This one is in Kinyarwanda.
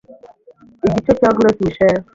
Igice cya gros Michel